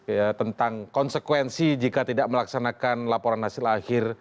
ya tentang konsekuensi jika tidak melaksanakan laporan hasil akhir